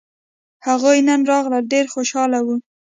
هغوی نن راغلل ډېر خوشاله وو